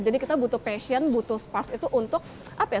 jadi kita butuh passion butuh spark itu untuk apa ya